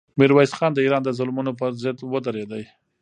میرویس خان د ایران د ظلمونو پر ضد ودرېدی.